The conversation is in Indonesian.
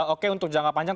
oke untuk jangka panjang